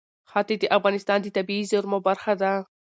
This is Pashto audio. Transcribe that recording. ښتې د افغانستان د طبیعي زیرمو برخه ده.